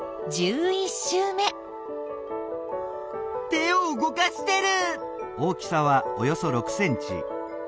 手を動かしてる！